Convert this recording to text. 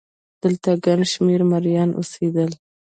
دلته ګڼ شمېر مریان اوسېدل.